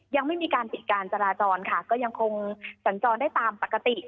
ยังไม่มีการปิดการจราจรค่ะก็ยังคงสัญจรได้ตามปกติ